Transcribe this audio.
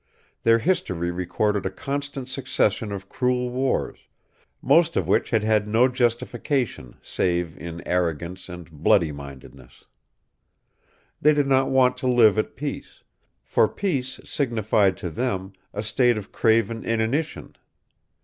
Their history recorded a constant succession of cruel wars, most of which had had no justification save in arrogance and bloody mindedness. They did not want to live at peace; for peace signified to them a state of craven inanition.